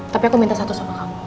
tapi aku minta satu sama kamu